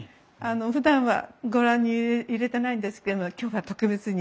ふだんはご覧に入れてないんですけれども今日は特別に。